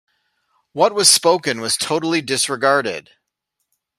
What was spoken was totally disregarded.